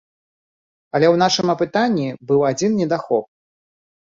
Але ў нашым апытанні быў адзін недахоп.